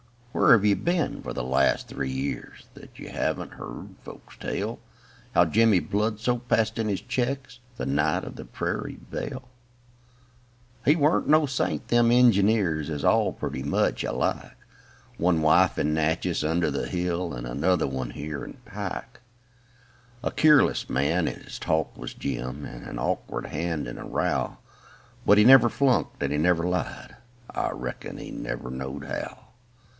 Whar have you been for the last three years That you haven't heard folks tell How Jemmy Bludso passed in his checks, The night of the Prairie Belle? He weren't nd^' saint â them engineers Is all pretty much alike â One wife in Natchez under the Hill, And another one here in Pike. A keerless man in his talk was Jim, And an awkward man in a row'*^ But he never flunked, and he never lied; I reckon he never knowed how.